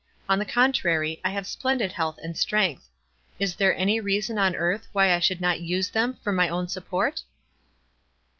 On the contrary, I have splendid health and strength. Is there any rea son on earth why I should not use them for my own support?"